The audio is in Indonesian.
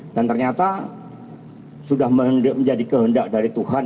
dan ternyata sudah menjadi kehendak dari tuhan